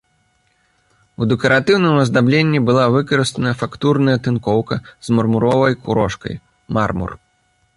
У дэкаратыўным аздабленні была выкарыстана фактурная тынкоўка з мармуровай крошкай, мармур.